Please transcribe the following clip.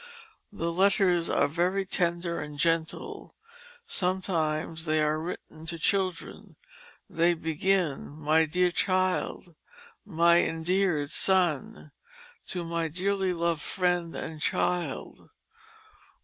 The letters are very tender and gentle; sometimes they are written to children; they begin, "My deare Child"; "My Indear'd Sonn"; "To my dearly loved Friend and Child."